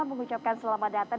mengucapkan selamat datang